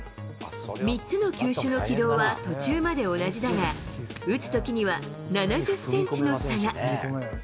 ３つの球種の軌道は途中まで同じだが、打つときには７０センチの差が。